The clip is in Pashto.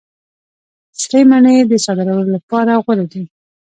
سرې مڼې د صادرولو لپاره غوره دي.